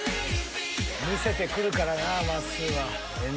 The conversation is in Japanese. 見せて来るからなまっすーは。